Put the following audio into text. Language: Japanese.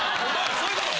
そういうことか。